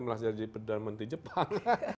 malah jadi pendana menteri jepang